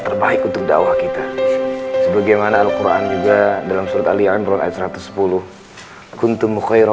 terbaik untuk dakwah kita sebagaimana alquran juga dalam surat al li'an quran satu ratus sepuluh kuntumu khair